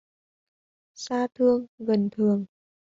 Xa thương, gần thường